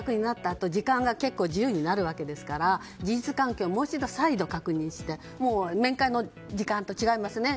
あと時間が結構自由になるわけですから事実関係をもう一度、再度確認してもう面会の時間と違いますよね。